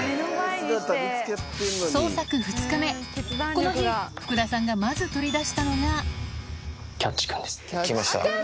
この日福田さんがまず取り出したのがきました。